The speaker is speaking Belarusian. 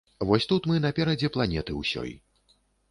Вось тут мы наперадзе планеты ўсёй.